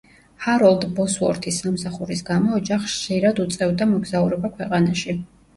ჰაროლდ ბოსუორთის სამსახურის გამო ოჯახს ხშირად უწევდა მოგზაურობა ქვეყანაში.